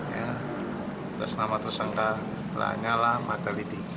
ya tersangka lanyala mataliti